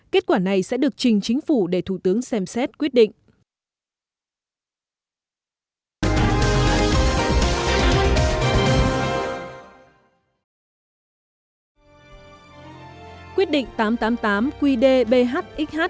kết quả này sẽ được trình chính phủ để thủ tướng xem xét quyết định